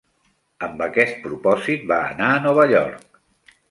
Amb aquest propòsit va anar a Nova York.